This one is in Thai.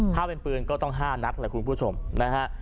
ถ้าเป็นปืนก็ต้อง๕นัดแหละคุณผู้ชมนะฮะ